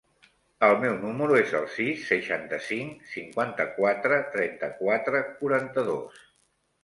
El meu número es el sis, seixanta-cinc, cinquanta-quatre, trenta-quatre, quaranta-dos.